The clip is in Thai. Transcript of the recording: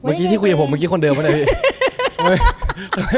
เมื่อกี้คุยกับผมเมื่อกี้คนเดิมหรือไงพี่